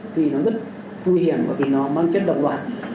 thì nó rất nguy hiểm bởi vì nó mang chất đồng đoạn